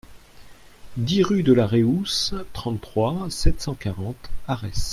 dix rue de la Réousse, trente-trois, sept cent quarante, Arès